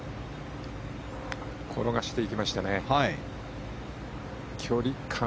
転がしていきましたね。